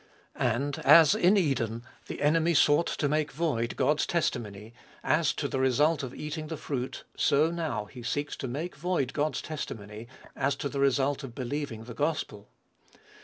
And, as in Eden, the enemy sought to make void God's testimony, as to the result of eating the fruit, so now, he seeks to make void God's testimony as to the result of believing the gospel.